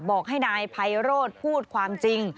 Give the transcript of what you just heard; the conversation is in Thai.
บอกให้นายไพโรธพูดความจริง